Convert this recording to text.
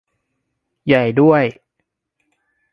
ใหญ่ด้วย